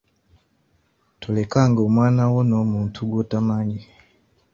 Tolekanga omwana wo n'omuntu gw'otomanyi.